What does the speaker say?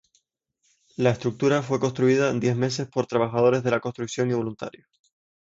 La estructura fue construida en diez meses por trabajadores de la construcción y voluntarios.